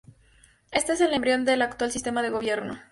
Este es el embrión del actual sistema de Gobierno.